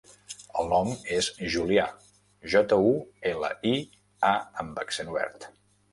El nom és Julià: jota, u, ela, i, a amb accent obert.